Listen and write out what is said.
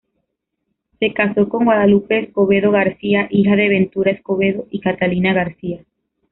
Se casó con Guadalupe Escobedo García, hija de Ventura Escobedo y Catalina García.